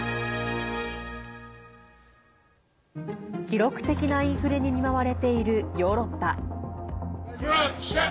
記録的なインフレに見舞われているヨーロッパ。